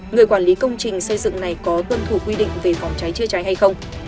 người quản lý công trình xây dựng này có tuân thủ quy định về phòng cháy chữa cháy hay không